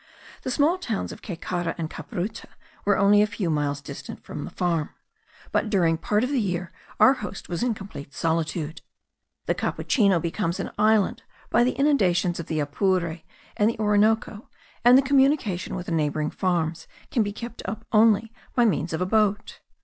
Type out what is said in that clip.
The small towns of Caycara and Cabruta were only a few miles distant from the farm; but during part of the year our host was in complete solitude. The Capuchino becomes an island by the inundations of the Apure and the Orinoco, and the communication with the neighbouring farms can be kept up only by means of a boat.